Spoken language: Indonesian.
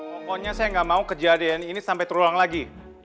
pokoknya saya nggak mau kejadian ini sampai terulang lagi